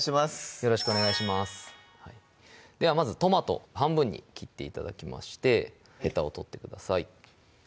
よろしくお願いしますではまずトマト半分に切って頂きましてヘタを取ってください